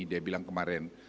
dia bilang kemarin